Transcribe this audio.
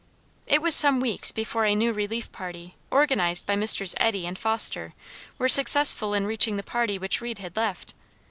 It was some weeks before a new relief party organized by Messrs. Eddy and Foster were successful in reaching the party which Reed had left.